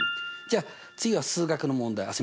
じゃあ次は数学の問題